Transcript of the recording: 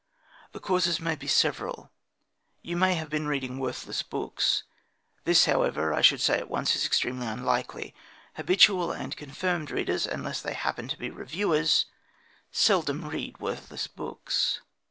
The causes may be several. You may have been reading worthless books. This, however, I should say at once, is extremely unlikely. Habitual and confirmed readers, unless they happen to be reviewers, seldom read worthless books.